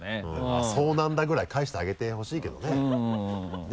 「あぁそうなんだ」ぐらい返してあげてほしいけどね。